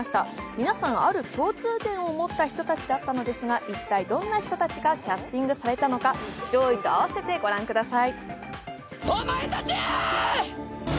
皆さん、ある共通点を持った人たちだったのですが、一体どんな人たちがキャスティングされたのか上位と合わせてご覧ください。